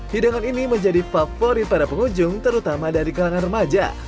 hidangan ini menjadi favorit para pengunjung terutama dari kalangan remaja